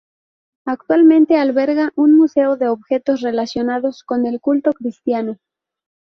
Actualmente alberga un museo de objetos relacionados con el culto cristiano.